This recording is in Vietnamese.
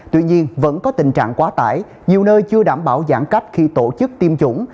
tuy nhiên vẫn có tình trạng quá tải nhiều nơi chưa đảm bảo giãn cách khi tổ chức tiêm chủng